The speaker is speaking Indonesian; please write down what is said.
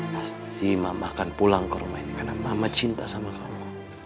pasti mama akan pulang ke rumah ini karena mama cinta sama kamu